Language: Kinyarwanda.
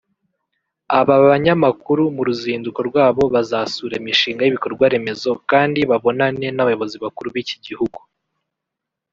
Aba banyamakuru mu ruzinduko rwabo bazasura imishinga y’ibikorwa remezo kandi babonane n’abayobozi bakuru b’iki gihugu